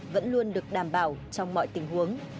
vẫn luôn được đảm bảo trong mọi tình huống